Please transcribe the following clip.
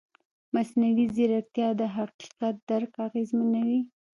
مصنوعي ځیرکتیا د حقیقت درک اغېزمنوي.